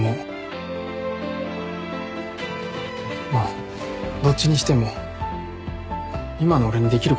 まあどっちにしても今の俺にできることはないから。